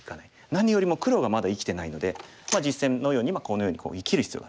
何よりも黒がまだ生きてないので実戦のようにこのように生きる必要がありますね。